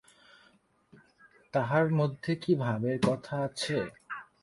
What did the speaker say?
তাহার মধ্যে কী ভাবের কথা আছে ।